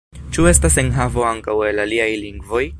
Ĉu estas enhavo ankaŭ el aliaj lingvoj?